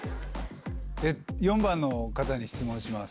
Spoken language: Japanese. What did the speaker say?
４番の方に質問します。